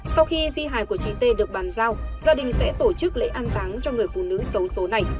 sau khi di hài của chị t được bàn giao gia đình sẽ tổ chức lễ an táng cho người phụ nữ xấu số này